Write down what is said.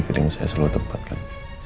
feeling saya selalu tepat kan